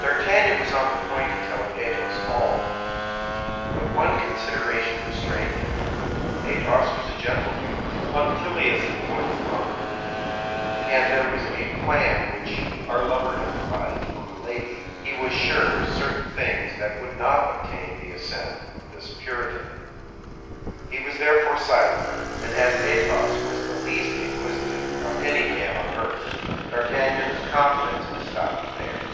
D'Artagnan was on the point of telling Athos all; but one consideration restrained him. Athos was a gentleman, punctilious in points of honor; and there were in the plan which our lover had devised for Milady, he was sure, certain things that would not obtain the assent of this Puritan. He was therefore silent; and as Athos was the least inquisitive of any man on earth, D'Artagnan's confidence stopped there.